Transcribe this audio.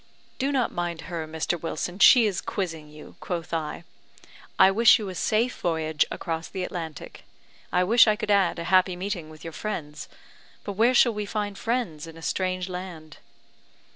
"Do not mind her, Mr. Wilson, she is quizzing you," quoth I; "I wish you a safe voyage across the Atlantic; I wish I could add a happy meeting with your friends. But where shall we find friends in a strange land?"